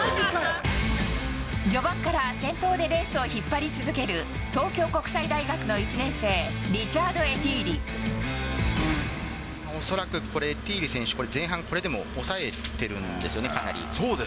序盤から先頭でレースを引っ張り続ける東京国際大学の１年生、恐らくこれ、エティーリ選手、これ、前半これでも抑えてるんですよね、かなり。